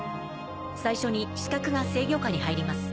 最初に視覚が制御下に入ります。